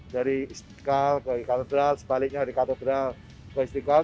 dari istiklal ke katedral sebaliknya dari katedral ke istiklal